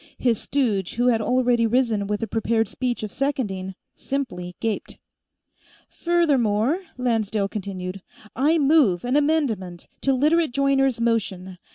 His stooge, who had already risen with a prepared speech of seconding, simply gaped. "Furthermore," Lancedale continued, "I move an amendment to Literate Joyner's motion.